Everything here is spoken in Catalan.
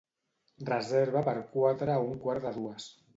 Reserva per quatre a un quart de dues.